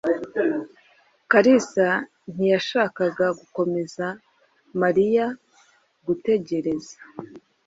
Kalisa ntiyashakaga gukomeza Mariya gutegereza.